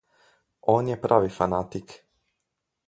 On je pravi fanatik.